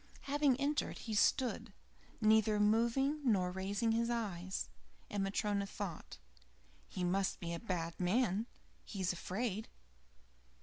Having entered, he stood, neither moving, nor raising his eyes, and Matryona thought: "He must be a bad man he's afraid."